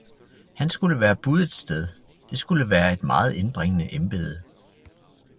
han skulle være bud et sted, det skulle være et meget indbringende embede.